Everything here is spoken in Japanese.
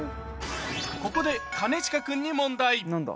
ここで兼近君に何だ？